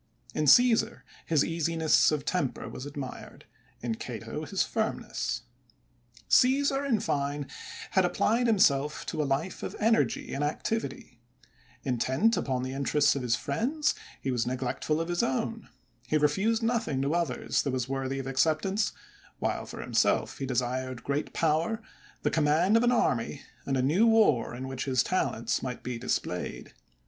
In (^eesar, his easiness of temper was admired; in Cato, his firmness. Caesar, in fine, had applied himself to a life of energy and activity; intent upon the interests of his friends, he was neglectful of his own; he refused nothing to otJiers that was worthy of acceptance, while for himself he desired great power, the conunand of an army and a new war in which his talents might be displayed.